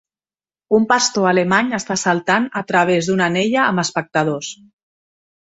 Un pastor alemany està saltant a través d'una anella amb espectadors.